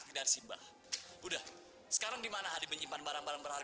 makannya orang orang atsa syawal yang berada di depan ujung utuh telah terbakar